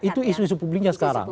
itu isu isu publiknya sekarang